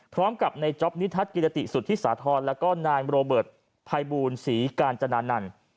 พร้อมกับในจอบนิทัศน์กินตะติสุดที่สาธารณ์แล้วก็นายโบรเบิร์ตพัยบูรณ์ศรีกาญจนานั่น